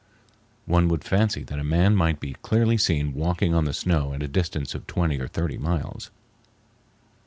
One would fancy that a man might be clearly seen walking on the snow at a distance of twenty or thirty miles.